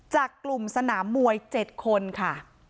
จากกลุ่มสนามมวย๗คนค่ะ